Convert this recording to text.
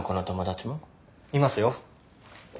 いますよ